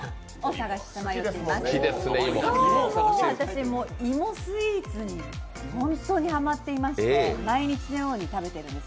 私、芋スイーツに本当にハマっていまして毎日のように食べてるんです。